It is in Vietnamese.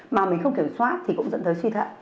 mà mình không kiểm soát thì cũng dẫn tới suy thận